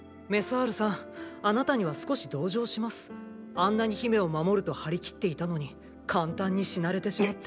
あんなに姫を守ると張り切っていたのに簡単に死なれてしまって。